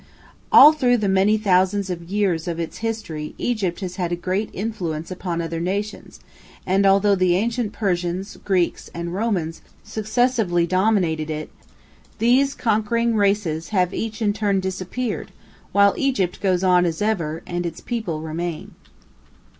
All through the many thousands of years of its history Egypt has had a great influence upon other nations, and although the ancient Persians, Greeks, and Romans successively dominated it, these conquering races have each in turn disappeared, while Egypt goes on as ever, and its people remain.